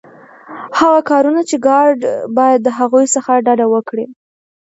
هغه کارونه چي ګارډ باید د هغوی څخه ډډه وکړي.